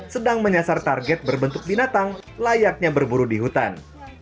sedang menyasar target berbentuk binatang layaknya berburu di hutan